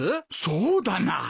そうだな。